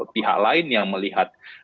pihak lain yang melihat